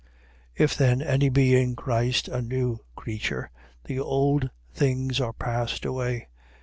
If then any be in Christ a new creature, the old things are passed away.